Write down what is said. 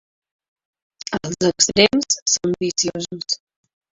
Els extrems són viciosos.